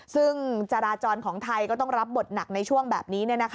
ซึ่งจราจรของไทยก็ต้องรับบทหนักในช่วงแบบนี้